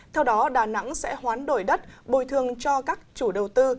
theo đó đà nẵng sẽ hoán đổi đất bồi thường cho các chủ đầu tư